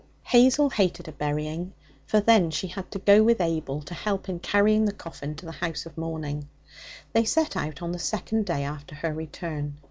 Hazel hated a burying, for then she had to go with Abel to help in carrying the coffin to the house of mourning. They set out on the second day after her return.